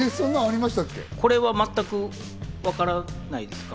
これは全くわからないですか？